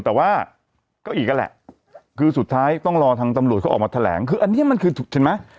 แต่ว่าก็อีกนั่นแหละคือสุดท้ายต้องรอทางตำรวจเขาออกมาแถลงคืออันนี้มันคือถูกเห็นไหม